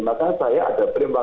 maka saya ada permintaan